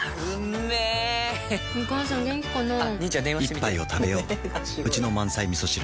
一杯をたべよううちの満菜みそ汁